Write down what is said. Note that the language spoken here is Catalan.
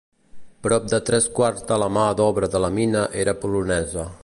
Prop de tres quarts de la mà d'obra de la mina era polonesa.